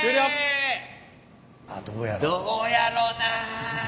どうやろな。